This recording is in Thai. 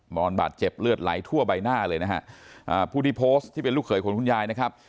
นอนบาดเจ็บเลือดไหลทั่วใบหน้าเลยนะฮะอ่าผู้ที่โพสต์ที่เป็นลูกเขยของคุณยายนะครับ